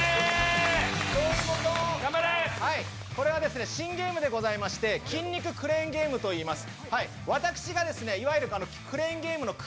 これは新ゲームでございまして、筋肉クレーンゲームといいます。